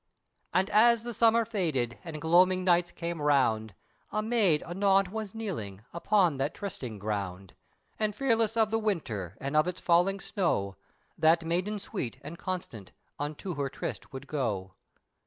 And as the summer faded, and gloaming nights came round, A maid anon was kneeling, upon that trysting ground, And fearless of the winter, and of its falling snow, That maiden sweet, and constant, unto her tryst would go.